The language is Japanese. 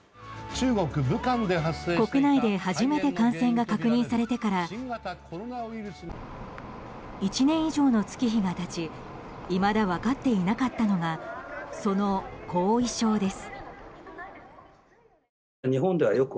国内で初めて感染が確認されてから１年以上の月日が経ちいまだ分かっていなかったのがその後遺症です。